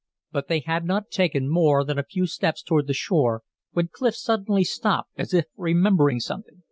But they had not taken more than a few steps toward the shore when Clif suddenly stopped as if remembering something.